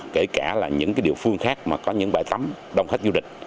kể cả những địa phương khác có những bãi tắm đông khách du lịch